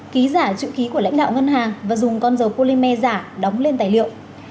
ký giả chữ ký của lãnh đạo ngân hàng và dùng con dầu polymer giả đóng lên tài liệu